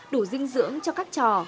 đủ dinh dưỡng cho các trò